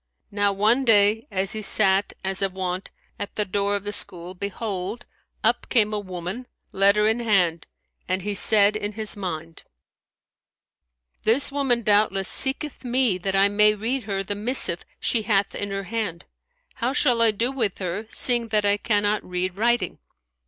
Now one day, as he sat as of wont, at the door of the school, behold, up came a woman letter in hand, and he said in his mind, "This woman doubtless seeketh me, that I may read her the missive she hath in her hand: how shall I do with her, seeing I cannot read writing?"